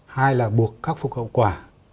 hai là buộc khắc phục hậu quả